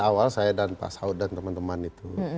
awal saya dan pak saud dan teman teman itu